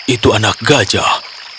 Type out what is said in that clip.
itu anak gajah